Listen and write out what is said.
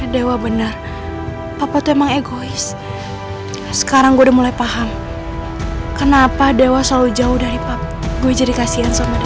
dewa benar apa tuh emang egois sekarang gue udah mulai paham kenapa dewa selalu jauh dari papa gue jadi kasihan sama